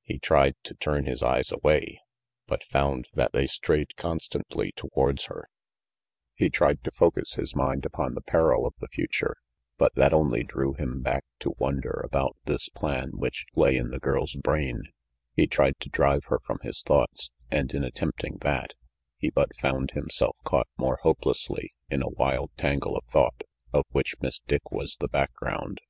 He tried to turn his eyes away, but found that they strayed 356 RANGY PETE constantly towards her; he tried to focus his mind upon the peril of the future, but that only drew him back to wonder about this plan which lay in the girl's brain; he tried to drive her from his thoughts, and in attempting that, he but found himself caught more hopelessly in a wild tangle of thought of which Miss Dick was the background.